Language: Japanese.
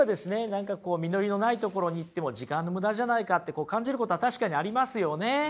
何かこう実りのない所に行っても時間のムダじゃないかって感じることは確かにありますよね。